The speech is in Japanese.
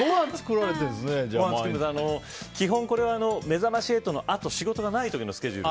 基本、これは「めざまし８」のあと仕事がない時のスケジュール。